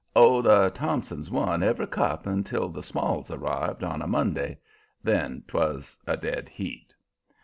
Oh, the Thompsons won every cup until the Smalls arrived on a Monday; then 'twas a dead heat.